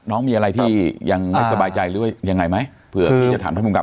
น้องมีอะไรที่ยังไม่สบายใจหรือยังไงไหม